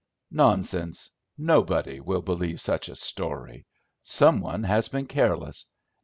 "Nonsense! Nobody will believe such a story! Some one has been careless!